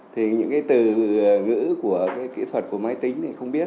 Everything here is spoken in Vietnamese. thì những cái từ ngữ của cái kỹ thuật của máy tính thì không biết